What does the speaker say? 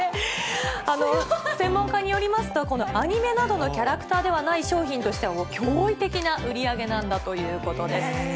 専門家によりますと、アニメなどのキャラクターではない商品としては驚異的な売り上げなんだということです。